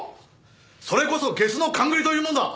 それこそ下衆の勘繰りというものだ！